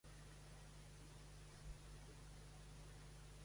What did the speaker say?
Canadell lamenta les noves mesures del govern: ‘No són conscients del que fan’